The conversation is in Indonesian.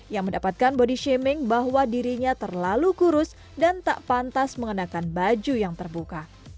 yang mendapatkan body shaming bahwa dirinya terlalu kurus dan tak pantas mengenakan baju yang terbuka